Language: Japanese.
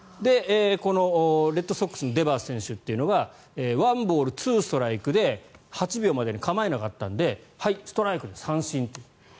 このレッドソックスのデバース選手というのが１ボール２ストライクで８秒までに構えなかったのではい、ストライクで三振と。